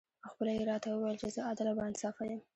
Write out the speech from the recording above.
خپله یې راته وویل چې زه عادل او با انصافه یم.